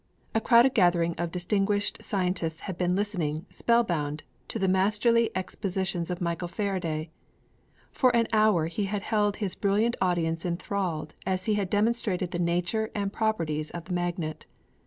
A crowded gathering of distinguished scientists had been listening, spellbound, to the masterly expositions of Michael Faraday. For an hour he had held his brilliant audience enthralled as he had demonstrated the nature and properties of the magnet.